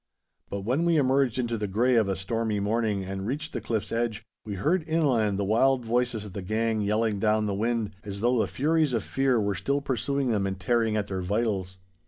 But when we emerged into the grey of a stormy morning and reached the cliff's edge, we heard inland the wild voices of the gang yelling down the wind, as though the furies of fear were still pursuing them and tearing at their vitals.